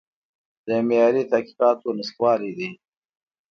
د معیاري تحقیقاتو نشتوالی دی.